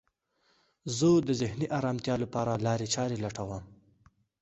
زه د ذهني ارامتیا لپاره لارې چارې لټوم.